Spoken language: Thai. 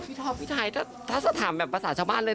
พี่ท็อปพี่ไทยถ้าสถามแบบประสาทชาวบ้านเลย